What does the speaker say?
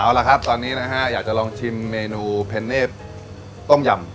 เอาละครับตอนนี้นะฮะอยากจะลองชิมเมนูเพนเนธต้มยำ